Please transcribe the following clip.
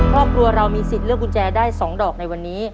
ครอบครัวเรามีสิทธิ์เลือกกุญแจได้๒ดอกในวันนี้